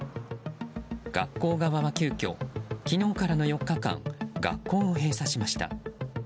学校側は急きょ昨日からの４日間学校を閉鎖しました。